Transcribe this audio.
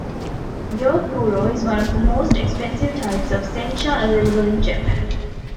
Gyokuro is one of the most expensive types of sencha available in Japan.